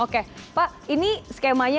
oke pak ini skemanya